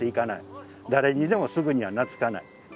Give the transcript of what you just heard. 誰にでもすぐには懐かない。